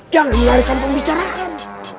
jangan mengarikan pembicaraan